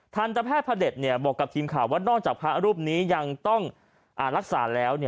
ทันตแพทย์พระเด็จบอกกับทีมข่าวว่านอกจากพระรูปนี้ยังต้องรักษาแล้ว